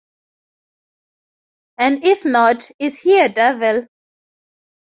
And if not, is he a devil?